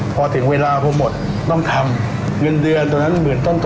พอถึงเวลาพอหมดต้องทำเงินเดือนตรงนั้นหมื่นต้นต่อ